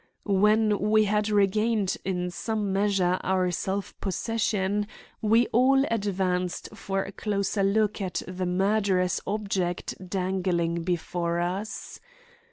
When we had regained in some measure our self possession, we all advanced for a closer look at the murderous object dangling before us.